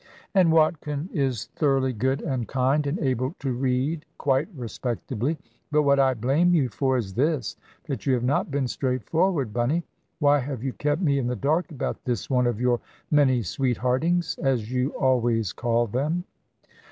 And Watkin is thoroughly good and kind, and able to read quite respectably. But what I blame you for is this, that you have not been straightforward, Bunny. Why have you kept me in the dark about this one of your many 'sweetheartings,' as you always call them?"